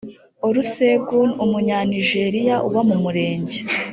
olusegun umunyanijeriya uba mu murenge